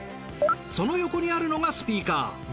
その横にあるのがスピーカー。